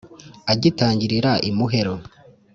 agitangirira imuhero,